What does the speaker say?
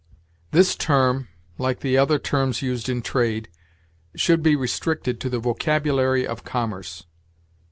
This term, like other terms used in trade, should be restricted to the vocabulary of commerce.